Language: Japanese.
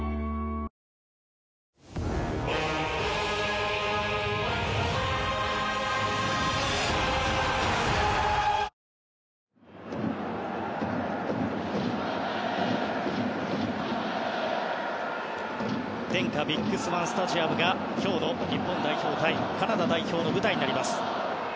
デンカビッグスワンスタジアムが今日の日本代表対カナダ代表の舞台になります。